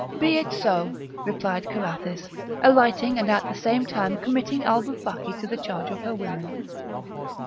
"Be it so!" replied Carathis, alighting, and at the same time committing Alboufaki to the charge of her women.